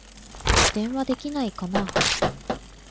電話できないかな